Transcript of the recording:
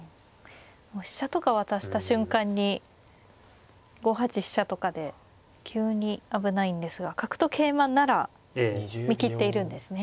飛車とか渡した瞬間に５八飛車とかで急に危ないんですが角と桂馬なら見切っているんですね。